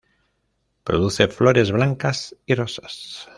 Produce flores blancas y rosas.